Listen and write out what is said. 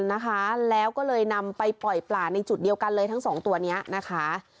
นะคะแล้วก็เลยนำไปปล่อยปลาในจุดเดียวกันเลยทั้งสองตัวเนี้ยนะคะ